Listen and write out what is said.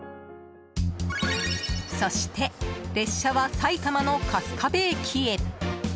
そして、列車は埼玉の春日部駅へ。